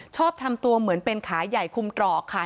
ชอบทำตัวเหมือนเป็นขาใหญ่คุมตรอกค่ะ